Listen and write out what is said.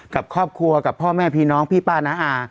กับครอบครัวกับพ่อแม่พี่น้องพี่ป้าน้าอา